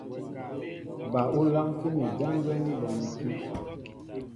Ba ú lánkí mi ján gwɛ́ ní bonɛkí.